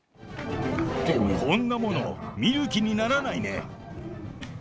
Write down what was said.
こんなもの、見る気にならないね。